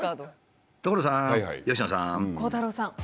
鋼太郎さん。